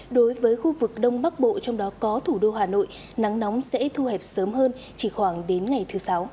đối với khu vực đông bắc bộ trong đó có thủ đô hà nội nắng nóng sẽ thu hẹp sớm hơn chỉ khoảng đến ngày thứ sáu